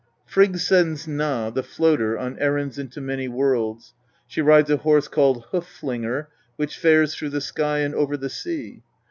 Frigg sends Gna, the Floater, on errands into many worlds. She rides a horse called Hoof flinger which fares through the sky and over the sea.